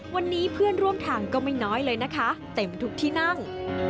วันนี้เพื่อนร่วมทางก็ไม่น้อยเลยนะคะเต็มทุกที่นั่ง